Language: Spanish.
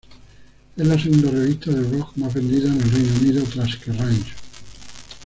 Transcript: Es la segunda revista de rock más vendida en el Reino Unido tras "Kerrang!